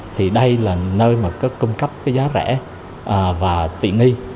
thì đây là nơi mà có cung cấp cái giá rẻ và tiện nghi